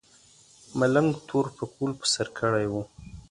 ملنګ تور پکول په سر کړی و.